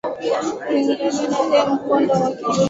kuingilia ee mkondo wa kidemokrasia ulikuwa unafua